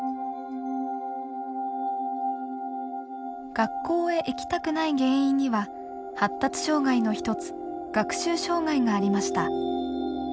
学校へ行きたくない原因には発達障害の一つ学習障害がありました。